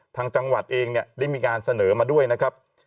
ทางจังหวัดเองเนี่ยได้มีการเสนอมาด้วยนะครับ